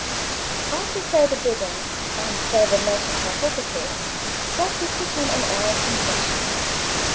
After further bidding, and further mercantile coquetry, Bratti put on an air of concession.